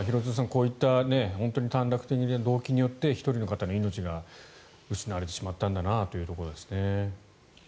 こういった短絡的な動機によって１人の方の命が失われてしまったんだなというところですね。